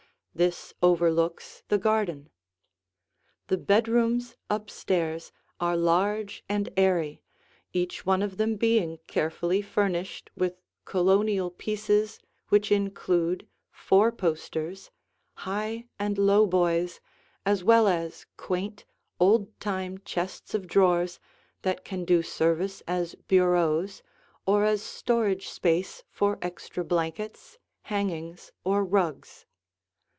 This overlooks the garden. The bedrooms up stairs are large and airy, each one of them being carefully furnished with Colonial pieces which include four posters, high and lowboys as well as quaint, old time chests of drawers that can do service as bureaus, or as storage space for extra blankets, hangings, or rugs.